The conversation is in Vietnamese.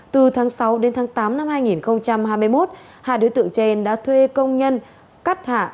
từ tháng sáu đến tháng tám năm hai nghìn hai mươi một hai đứa tự trên đã thuê công nhân cắt hạ